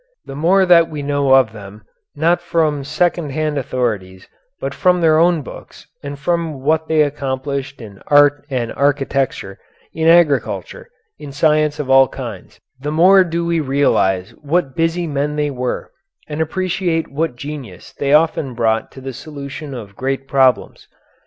The more that we know of them, not from second hand authorities, but from their own books and from what they accomplished in art and architecture, in agriculture, in science of all kinds, the more do we realize what busy men they were, and appreciate what genius they often brought to the solution of great problems.